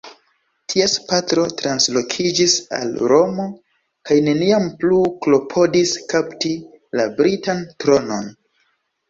Ties patro translokiĝis al Romo kaj neniam plu klopodis kapti la britan tronon.